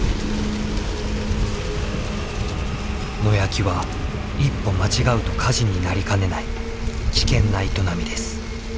野焼きは一歩間違うと火事になりかねない危険な営みです。